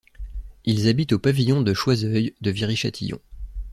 Ils habitent au pavillon de Choiseul de Viry-Châtillon.